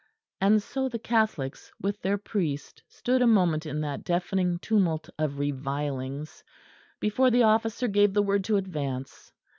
And so the Catholics with their priest stood a moment in that deafening tumult of revilings, before the officer gave the word to advance.